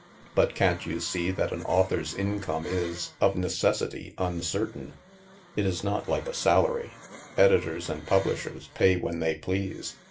But can't you see that an au thor's income is, of necessity, uncertain? It is not like a salary. Editors and publishers pay when they please.